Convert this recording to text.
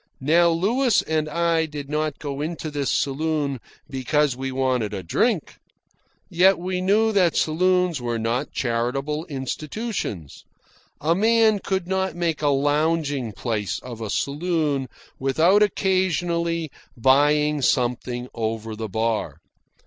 Now Louis and I did not go into this saloon because we wanted a drink. Yet we knew that saloons were not charitable institutions. A man could not make a lounging place of a saloon without occasionally buying something over the bar.